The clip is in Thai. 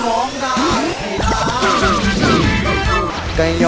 คือร้องกาไอ้จ้า